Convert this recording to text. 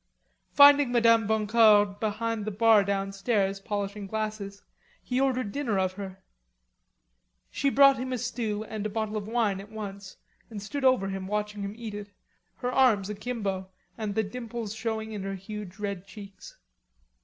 Finding Madame Boncour behind the bar downstairs, polishing glasses, he ordered dinner of her. She brought him a stew and a bottle of wine at once, and stood over him watching him eat it, her arms akimbo and the dimples showing in her huge red cheeks.